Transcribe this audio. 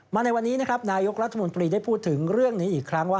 ในวันนี้นะครับนายกรัฐมนตรีได้พูดถึงเรื่องนี้อีกครั้งว่า